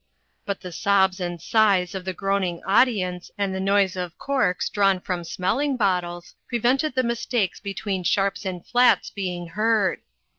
But the sobs and sighs of the groaning audience and the noise of corks drawn from smelling bottles prevented the mistakes between sharps and flats being heard.